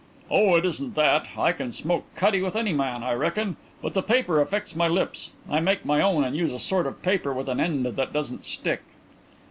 "Oh, it isn't that. I can smoke cutty with any man, I reckon, but the paper affects my lips. I make my own and use a sort of paper with an end that doesn't stick."